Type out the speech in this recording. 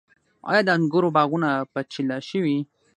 آیا د انګورو باغونه په چیله شوي؟